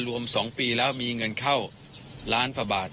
รวมสองปีแล้วมีเงินเข้าล้านพระบาท